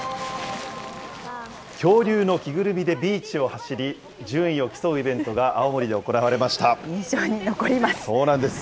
恐竜の着ぐるみでビーチを走り、順位を競うイベントが、青森で行印象に残ります。